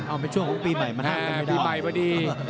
เอาเป็นช่วงของปีใหม่มาท่านกันเลย